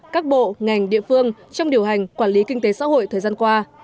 các bộ ngành địa phương trong điều hành quản lý kinh tế xã hội thời gian qua